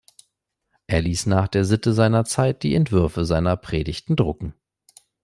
Er ließ nach der Sitte seiner Zeit die Entwürfe seiner Predigten drucken.